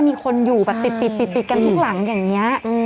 มีคนอยู่แบบติดกันทุกหลังอย่างนี้